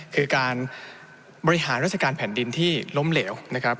คือการบริหารราชการแผ่นดินที่ล้มเหลวนะครับ